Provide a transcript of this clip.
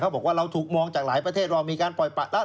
บอกว่าเราถูกมองจากหลายประเทศว่ามีการปล่อยปะละ